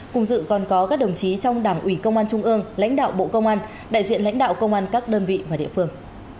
cùng dự còn có các đồng chí trong đảng ủy công an trung ương lãnh đạo bộ công an đại diện lãnh đạo công an các đơn vị và địa phương